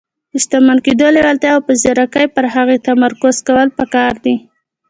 د شتمن کېدو لېوالتیا او په ځيرکۍ پر هغې تمرکز کول پکار دي.